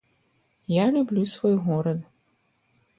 Я люблю свой горад.